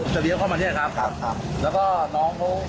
เลี้ยวเข้ามาเนี่ยครับครับแล้วก็น้องเขา